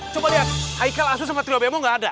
coba lihat haikal asur sama trio bemo enggak ada